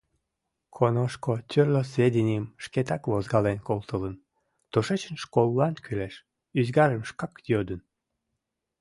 Коношко тӱрлӧ сведенийым шкетак возгален колтылын, тушечын школлан кӱлеш ӱзгарым шкак йодын.